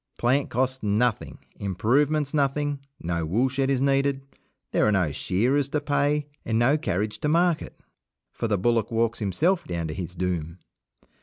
Plant costs nothing, improvements nothing no woolshed is needed, there are no shearers to pay, and no carriage to market, for the bullock walks himself down to his doom.